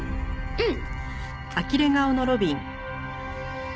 うん。